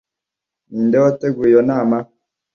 Ninde wateguye iyo nama?